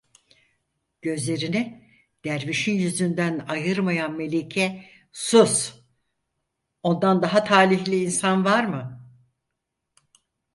Gözlerini dervişin yüzünden ayırmayan melike: "Sus! Ondan daha talihli insan var mı?"